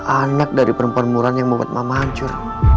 anak dari perempuan murah yang membuat mama hancur